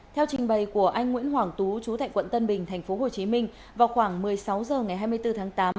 theo trình bày của anh nguyễn hoàng tú chú tại quận tân bình tp hcm vào khoảng một mươi sáu h ngày hai mươi bốn tháng tám